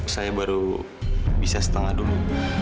saya baru bisa setengah dulu